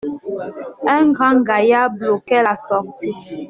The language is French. Un grand gaillard bloquait la sortie.